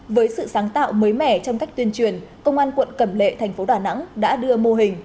với sự sáng tạo mới mẻ trong cách tuyên truyền công an quận cẩm lệ thành phố đà nẵng đã đưa mô hình